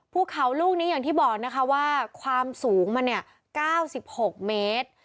ภูเขาลูกนี้อย่างที่บอกนะคะว่าความสูงมันเนี่ย๙๖เมตร